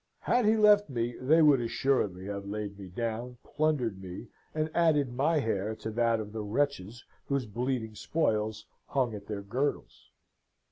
Had he left me, they would assuredly have laid me down, plundered me, and added my hair to that of the wretches whose bleeding spoils hung at their girdles.